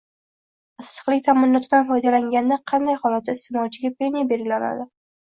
Issiqlik taʼminotidan foydalanganda qanday holatda isteʼmolchiga penya belgilanadi?